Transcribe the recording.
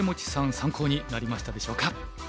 参考になりましたでしょうか。